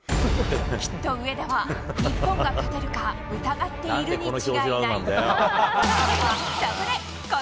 きっと上田は、日本が勝てるか疑っているに違いない。